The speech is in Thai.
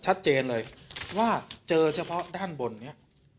ชัดเจนเลยว่าเจอเฉพาะด้านบนนี้